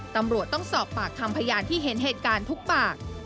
ตำรวจต้องสอบปากคำพยานที่เห็นเหตุการณ์ทุกปาก